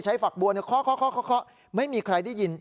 ฝักบัวเคาะไม่มีใครได้ยิน